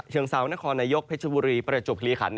เทวงเซานครนายกพฤชบุรีประจวดคลีขัล